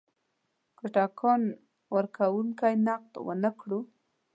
که ټکان ورکونکی نقد ونه کړو.